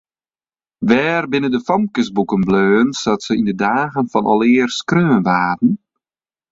Wêr binne de famkesboeken bleaun sa't se yn de dagen fan alear skreaun waarden?